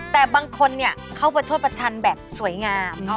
แต่บางคนเนี่ยเขาประชดประชันแบบสวยงาม